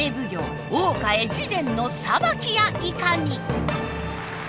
越前の裁きやいかに！？